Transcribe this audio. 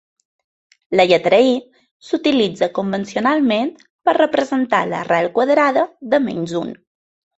La lletra i s'utilitza convencionalment per representar l'arrel quadrada de menys un.